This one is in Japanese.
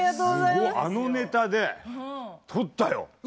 あのネタでとったよ。